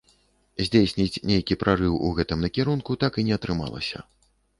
Здзейсніць нейкі прарыў у гэтым накірунку так і не атрымалася.